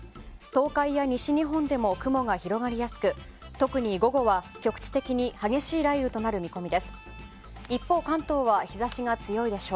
東海や西日本でも雲が広がりやすく特に午後は局地的に激しい雷雨となる見込みです。